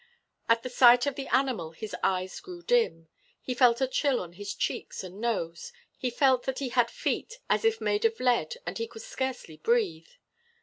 At the sight of the animal his eyes grew dim. He felt a chill on his cheeks and nose, he felt that he had feet as if made of lead and he could scarcely breathe.